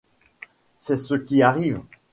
C’est ce qui arrive.